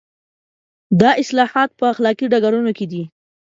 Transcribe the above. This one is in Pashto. دا اصلاحات په اخلاقي ډګرونو کې دي.